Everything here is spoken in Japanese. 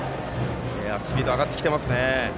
スピードが上がってきていますね。